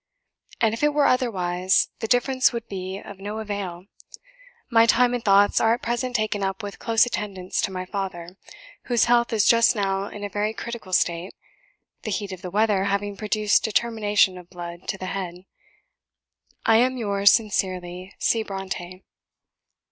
And if it were otherwise, the difference would be of no avail; my time and thoughts are at present taken up with close attendance on my father, whose health is just now in a very critical state, the heat of the weather having produced determination of blood to the head. I am, yours sincerely, C. BRONTË."